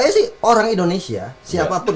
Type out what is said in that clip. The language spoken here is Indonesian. jadi orang indonesia siapapun